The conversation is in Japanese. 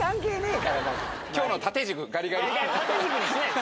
縦軸にしないで。